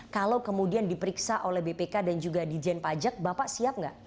kalau kemudian diperiksa oleh bpk dan juga di jen pajak bapak siap nggak